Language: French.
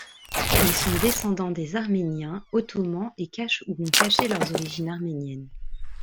Ils sont descendants des Arméniens ottomans et cachent ou ont caché leurs origines arméniennes.